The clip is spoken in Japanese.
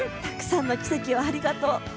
たくさんの奇跡をありがとう。